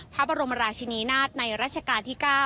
พระบรมราชินีนาฏในราชการที่๙